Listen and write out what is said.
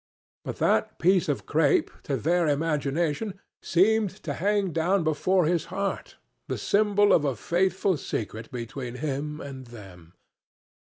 But that piece of crape, to their imagination, seemed to hang down before his heart, the symbol of a fearful secret between him and them.